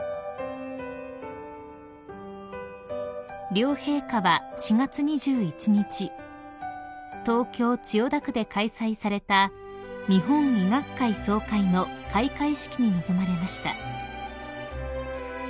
［両陛下は４月２１日東京千代田区で開催された日本医学会総会の開会式に臨まれました］